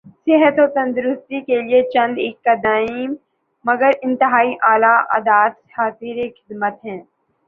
صحت و تندرستی کیلئے چند ایک قدیم مگر انتہائی اعلی عادات حاضر خدمت ہیں